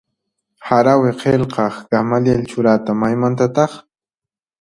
Harawi qillqaq Gamaliel Churata maymantataq?